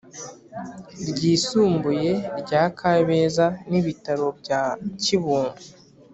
Ryisumbuye rya kabeza n ibitaro bya kibungo